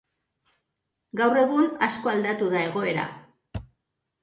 Gaur egun, asko aldatu da egoera.